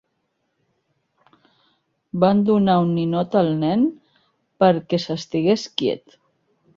Van donar un ninot al nen perquè s'estigués quiet.